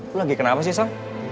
lo lagi kenapa sih sam